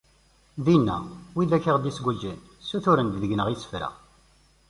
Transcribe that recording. Dinna, wid i aɣ-d-isguǧen ssuturen-d deg-nneɣ isefra.